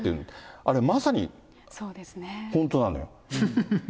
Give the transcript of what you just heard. あれ、まさに本当なのよ。